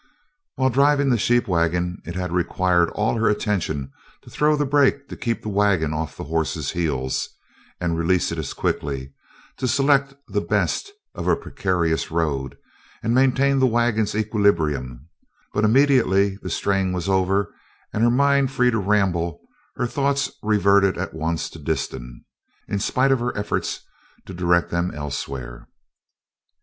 While driving the sheep wagon it had required all her attention to throw the brake to keep the wagon off the horses' heels, and release it as quickly, to select the best of a precarious road and maintain the wagon's equilibrium, but immediately the strain was over and her mind free to ramble, her thoughts reverted at once to Disston, in spite of her efforts to direct them elsewhere.